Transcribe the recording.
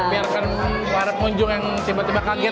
biar kan para kunjung yang tiba tiba kaget ya